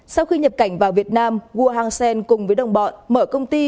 sau khi nhập cảnh vào việt nam gu hangsheng cùng với đồng bọn mở công ty